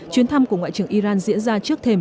chuyến thăm của ngoại trưởng iran diễn ra trước thềm